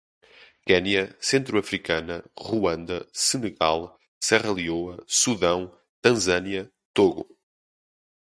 Quenia, Centro-Africana, Ruanda, Senegal, Serra Leoa, Sudão, Tanzânia, Togo